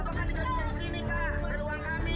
lapa kan digantungnya di sini pak